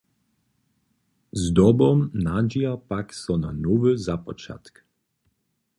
Zdobom nadźija pak so na nowy započatk.